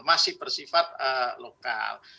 masih bersifat lokal